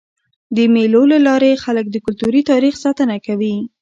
د مېلو له لاري خلک د کلتوري تاریخ ساتنه کوي.